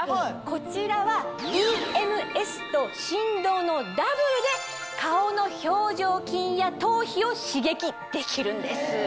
こちらはＥＭＳと振動のダブルで顔の表情筋や頭皮を刺激できるんです。